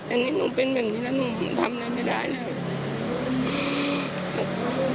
อันนี้หนูเป็นแบบนี้แล้วหนูทำอะไรไม่ได้เลย